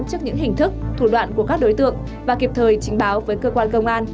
trước những hình thức thủ đoạn của các đối tượng và kịp thời trình báo với cơ quan công an